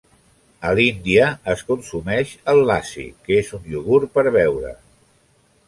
A l'Índia es consumeix el Lassi, que és un iogurt per beure.